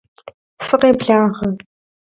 Fıkhêblağe!